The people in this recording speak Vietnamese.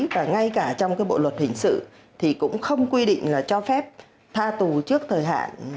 và ngay cả trong cái bộ luật hình sự thì cũng không quy định là cho phép tha tù trước thời hạn